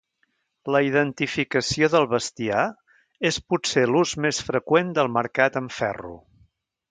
La identificació del bestiar és potser l'ús més freqüent del marcat amb ferro.